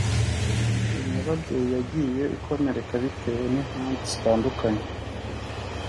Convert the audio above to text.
Iyo nyababyeyi yagiye ikomereka bitewe n’impamvu zitandukanye